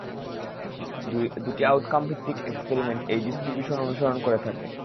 দুটি আউটকাম ভিত্তিক এক্সপেরিমেন্ট এই ডিস্ট্রিবিউশন অনুসরন করে থাকে।